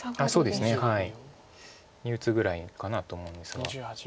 そうですね。に打つぐらいかなと思うんですが。